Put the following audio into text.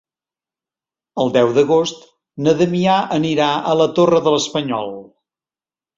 El deu d'agost na Damià anirà a la Torre de l'Espanyol.